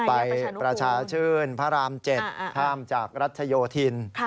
ประชาชื่นพระราม๗ข้ามจากรัชโยธิน